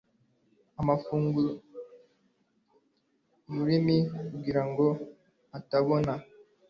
amufunga urumuri kugirango atabona